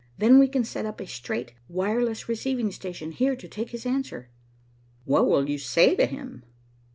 Then we can set up a straight, wireless receiving station here to take his answer." "What will you say to him?"